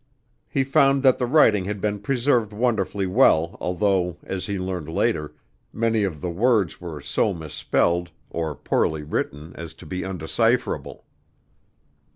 He found that the writing had been preserved wonderfully well although, as he learned later, many of the words were so misspelled or poorly written as to be undecipherable.